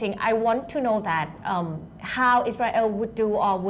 หลังจากที่อิสรัยัยเป็นประเทศใน๑๙๔๘